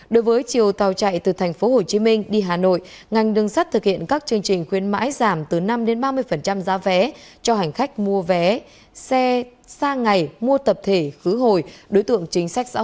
đối với chiều tàu chạy từ tp hcm đi hà nội ngành đường sắt thực hiện các chương trình khuyến mãi giảm từ năm ba mươi giá vé cho hành khách mua vé xe xa ngày mua tập thể khứ hồi đối tượng chính sách xã hội